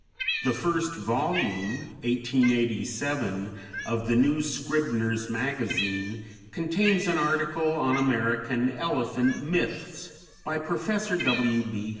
The first volume, 1887, of the New Scribner's Magazine contains an article on "American Elephant Myths," by Professor W.